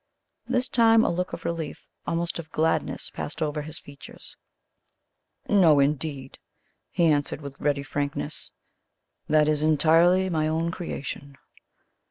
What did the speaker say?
This time a look of relief, almost of gladness, passed over his features. "No indeed," he answered with ready frankness; "that is entirely my own creation."